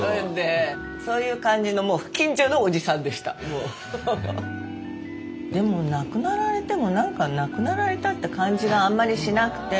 さっき見ててでも亡くなられても何か亡くなられたって感じがあんまりしなくて。